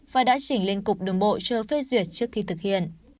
và đã chỉnh lên cục đường bộ chờ phê duyệt trước khi thực hiện